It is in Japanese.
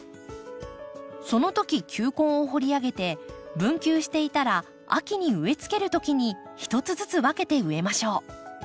そのとき球根を掘り上げて分球していたら秋に植えつけるときに一つずつ分けて植えましょう。